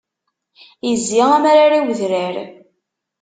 Izzi amrar i udrar.